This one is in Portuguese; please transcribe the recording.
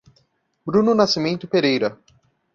Bruno Nascimento Pereira